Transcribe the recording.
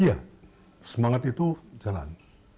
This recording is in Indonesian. iya semangat itu jalan